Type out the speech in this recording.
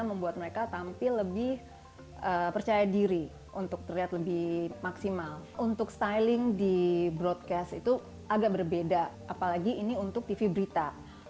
membuatnya tak asing dengan media